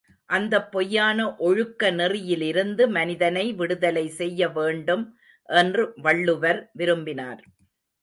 அந்தப் பொய்யான ஒழுக்க நெறியிலிருந்து மனிதனை விடுதலை செய்யவேண்டும் என்று வள்ளுவர் விரும்பினார்.